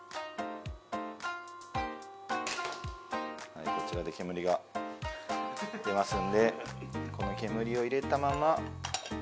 はいこちらで煙が出ますのでこの煙を入れたまま。